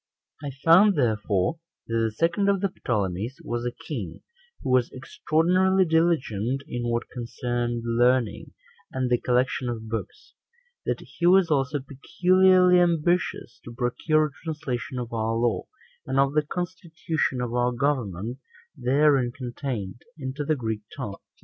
3. I found, therefore, that the second of the Ptolemies was a king who was extraordinarily diligent in what concerned learning, and the collection of books; that he was also peculiarly ambitious to procure a translation of our law, and of the constitution of our government therein contained, into the Greek tongue.